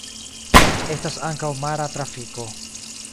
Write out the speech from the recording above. Estas ankaŭ mara trafiko.